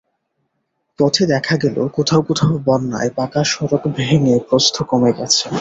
পথে দেখা গেল, কোথাও কোথাও বন্যায় পাকা সড়ক ভেঙে প্রস্থ কমে গেছে।